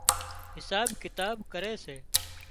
حساب ڪتاب ڪري سي